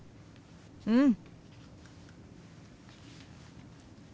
うん。